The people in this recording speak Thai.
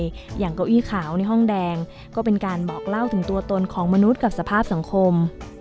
อย่างเก้าอี้ขาวในห้องแดงก็เป็นการบอกเล่าถึงตัวตนของมนุษย์กับสภาพสังคม